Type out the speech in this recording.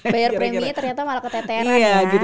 bayar premi ternyata malah keteteran